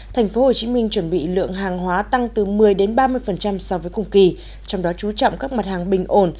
tp hcm chuẩn bị lượng hàng hóa tăng từ một mươi ba mươi so với cùng kỳ trong đó chú trọng các mặt hàng bình ổn